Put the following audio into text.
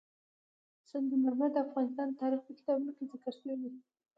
سنگ مرمر د افغان تاریخ په کتابونو کې ذکر شوی دي.